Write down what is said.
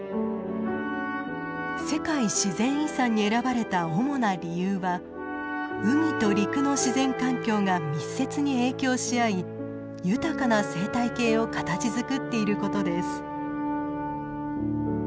世界自然遺産に選ばれた主な理由は海と陸の自然環境が密接に影響し合い豊かな生態系を形づくっていることです。